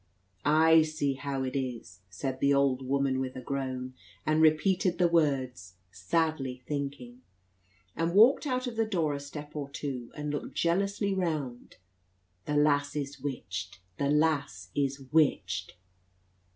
"I see how it is," said the old woman, with a groan, and repeated the words, sadly thinking; and walked out of the door a step or two, and looked jealously round. "The lass is witched, the lass is witched!"